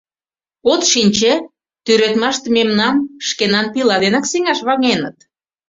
От шинче, тӱредмаште мемнам шкенан пила денак сеҥаш ваҥеныт.